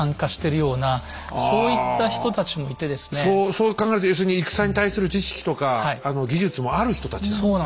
そう考えると要するに戦に対する知識とか技術もある人たちなんですね。